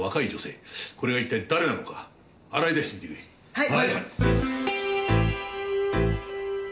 はい！